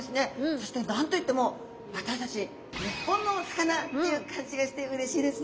そして何と言っても私たち日本のお魚っていう感じがしてうれしいですね。